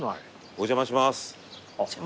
お邪魔します。